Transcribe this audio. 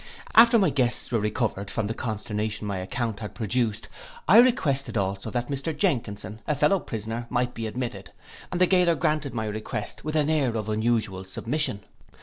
After my guests were recovered, from the consternation my account had produced, I requested also that Mr Jenkinson, a fellow prisoner, might be admitted, and the gaoler granted my request with an air of unusual submission.